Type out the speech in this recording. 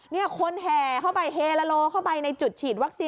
นี่คนแห่เข้าไปเฮลาโลเข้าไปในจุดฉีดวัคซีน